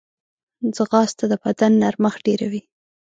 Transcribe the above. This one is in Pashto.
ځغاسته د بدن نرمښت ډېروي